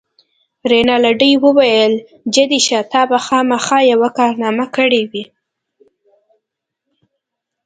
رینالډي وویل: جدي شه، تا به خامخا یوه کارنامه کړې وي.